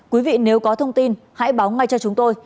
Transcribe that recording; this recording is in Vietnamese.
quý vị nếu có thông tin hãy báo ngay cho chúng tôi